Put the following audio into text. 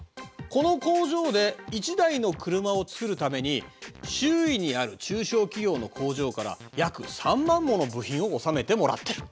この工場で１台の車を作るために周囲にある中小企業の工場から約３万もの部品を納めてもらってる。